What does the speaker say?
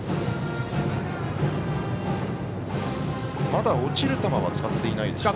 まだ落ちる球は使っていませんか。